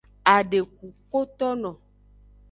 Adekukotono.